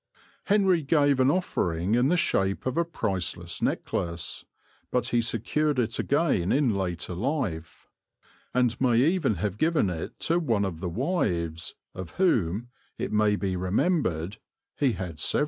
Henry gave an offering in the shape of a priceless necklace; but he secured it again in later life, and may even have given it to one of the wives, of whom, it may be remembered, he had several.